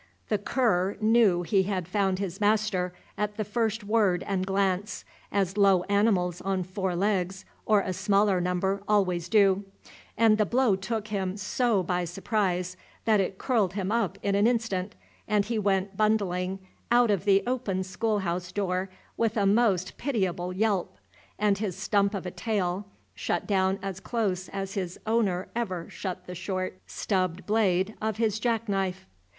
The cur knew he had found his master at the first word and glance, as low animals on four legs, or a smaller number, always do; and the blow took him so by surprise, that it curled him up in an instant, and he went bundling out of the open schoolhouse door with a most pitiable yelp, and his stump of a tail shut down as close as his owner ever shut the short, stubbed blade of his jack knife.